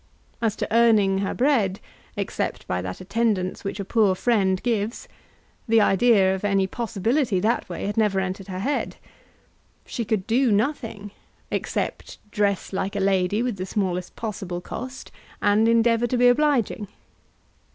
As to earning her bread, except by that attendance which a poor friend gives, the idea of any possibility that way had never entered her head. She could do nothing, except dress like a lady with the smallest possible cost, and endeavour to be obliging.